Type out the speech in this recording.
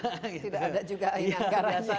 tidak ada juga